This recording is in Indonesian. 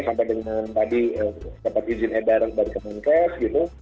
sampai dengan tadi dapat izin edar dari kementerian kesehatan